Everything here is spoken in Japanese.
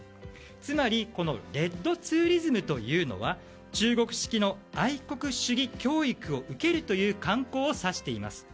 つまり、レッドツーリズムとは中国式の愛国主義教育を受けるという観光を指しています。